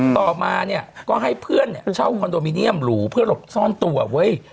ต่อมาเนี่ยก็ให้เพื่อนเนี่ยเช่าคอนโดมิเนียมหรูเพื่อหลบซ่อนตัวเว้ย